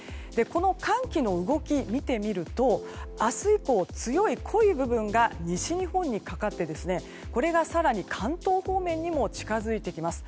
寒気の動きを見てみると明日以降強い濃い部分が西日本にかかってこれが更に関東方面にも近づいてきます。